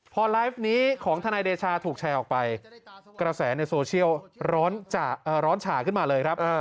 พอไลฟ์นี้ของทนายเดชาถูกแชร์ออกไปกระแสในโซเชียลร้อนฉ่าขึ้นมาเลยครับ